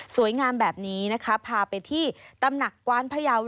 งามแบบนี้นะคะพาไปที่ตำหนักกว้านพยาว